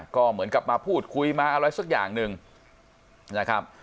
ก็เหมือนกับมาพูดคุยมาอะไรสักอย่างหนึ่งนะครับ